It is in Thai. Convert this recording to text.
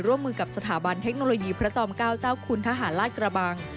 ร่วมมือกับสถาบันเทคโนโลยีพระจอม๙เจ้าคุณทหารลาดกระบัง